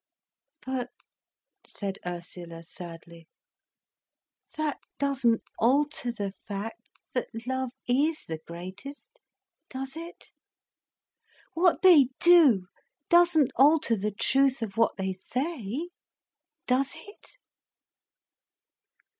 "But," said Ursula sadly, "that doesn't alter the fact that love is the greatest, does it? What they do doesn't alter the truth of what they say, does it?"